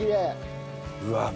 うわっ